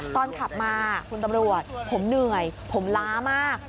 ขับมาคุณตำรวจผมเหนื่อยผมล้ามาก